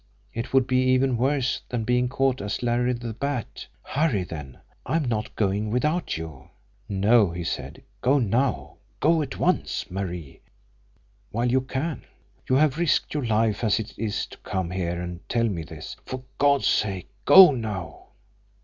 It would be even worse than being caught as Larry the Bat. Hurry then I am not going without you." "No!" he said. "Go now! Go at once, Marie while you can. You have risked your life as it is to come here and tell me this. For God's sake, go now!"